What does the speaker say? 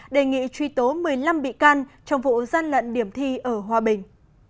bị truy tố một mươi năm bị can trong vụ gian lận điểm thi ở hòa bình